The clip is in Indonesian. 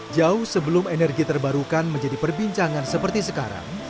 jauh sebelum energi terbarukan menjadi perbincangan seperti sekarang